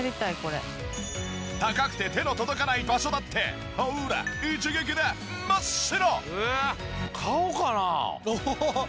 高くて手の届かない場所だってほら一撃で真っ白！